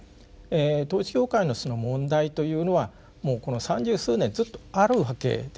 統一教会の問題というのはもうこの３０数年ずっとあるわけです。